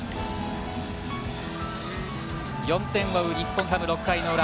４点を追う、日本ハム、４回の裏。